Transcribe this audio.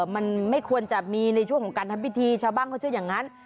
มันไม่ควรจะมีในช่วงของการทำพิธีชาวบ้านเขาเชื่ออย่างนั้น